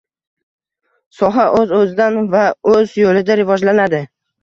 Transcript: – soha o‘z-o‘zidan va o‘z yo‘lida rivojlanadi.